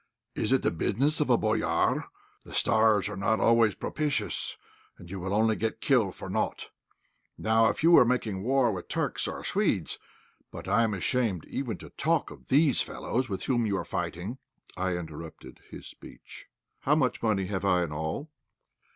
Is it the business of a 'boyár?' The stars are not always propitious, and you will only get killed for naught. Now if you were making war with Turks or Swedes! But I'm ashamed even to talk of these fellows with whom you are fighting." I interrupted his speech. "How much money have I in all?"